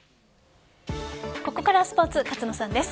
ここからはスポーツ勝野さんです。